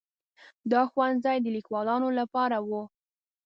دا ښوونځي د لیکوالانو لپاره وو.